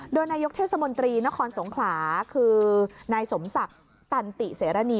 โดยนายกเทศมนตรีนครสงขลาคือนายสมศักดิ์ตันติเสรณี